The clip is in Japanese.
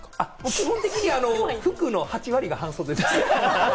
基本的に服の８割が半袖です。